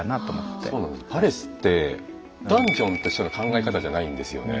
パレスってダンジョンとしての考え方じゃないんですよね。